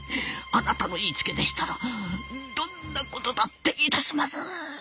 あなたの言いつけでしたらどんなことだっていたします。